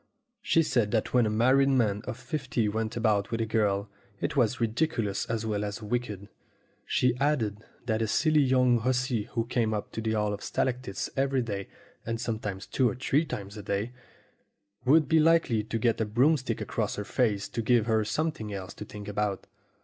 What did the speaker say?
She said that when a married man of fifty went about with a girl, it was ridiculous as well as wicked. She added that a silly young hussy who came up to the Hall of Stalactites every day, and sometimes two or three times a day, would be likely to get a broomstick across her face to give her something else to think about.